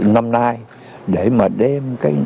năm nay để mà đem